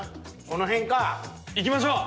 この辺か。いきましょう。